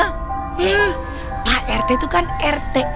eh pak r t tuh kan r t